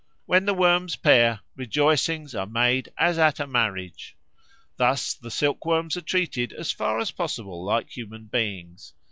When the worms pair, rejoicings are made as at a marriage. Thus the silkworms are treated as far as possible like human beings.